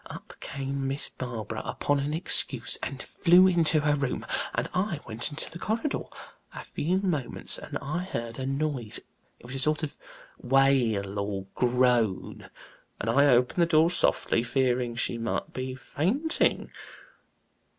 Up came Miss Barbara upon an excuse and flew into her room, and I went into the corridor. A few moments and I heard a noise it was a sort of wail, or groan and I opened the door softly, fearing she might be fainting.